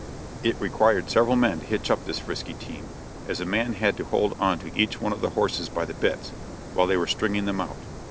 It required several men to hitch up this frisky team, as a man had to hold on to each one of the horses by the bits, while they were stringing them out.